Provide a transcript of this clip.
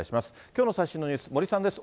きょうの最新のニュース、森さんです。